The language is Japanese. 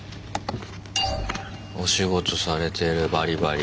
お仕事されてるバリバリ。